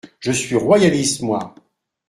Je suis royaliste, moi !